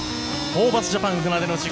ホーバスジャパンの初戦の地